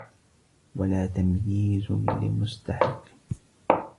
وَلَا تَمْيِيزٌ لِمُسْتَحِقٍّ